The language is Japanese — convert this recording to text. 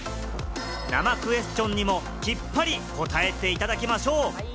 生クエスチョンにもきっぱり答えていただきましょう！